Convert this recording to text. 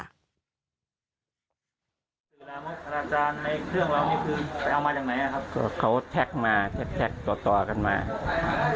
อาจารย์ในเครื่องไลน์มี่คือเป็นเอามาจากไหนครับ